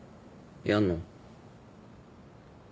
やんの？